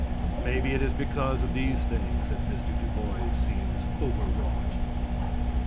Maybe it is because of these things that Mr. Du Bois seems overwrought.